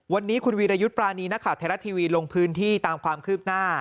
วันนี้คุณวีรยุทธ์ปรานีนักข่าวไทยรัฐทีวีลงพื้นที่ตามความคืบหน้า